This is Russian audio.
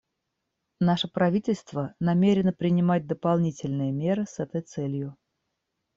Наше правительство намерено принимать дополнительные меры с этой целью.